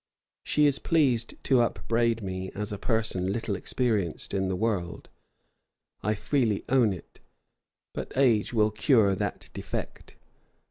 She is pleased to upbraid me as a person little experienced in the world: I freely own it; but age will cure that defect.